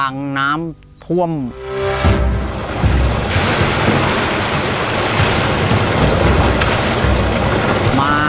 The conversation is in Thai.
ขอเพียงคุณสามารถที่จะเอ่ยเอื้อนนะครับ